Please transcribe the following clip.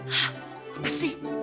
hah apa sih